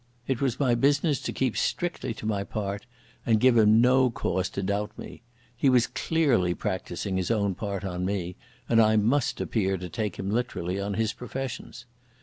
It was my business to keep strictly to my part and give him no cause to doubt me. He was clearly practising his own part on me, and I must appear to take him literally on his professions.